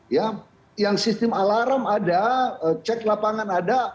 ya yang sistem alarm ada cek lapangan ada